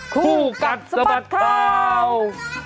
คู่กัดสะบัดข่าว